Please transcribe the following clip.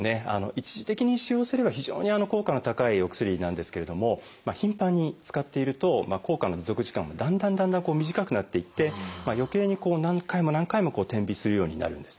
一時的に使用すれば非常に効果の高いお薬なんですけれども頻繁に使っていると効果の持続時間もだんだんだんだん短くなっていってよけいに何回も何回も点鼻するようになるんですね。